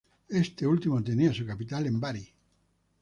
Este último tenía su capital en Bari.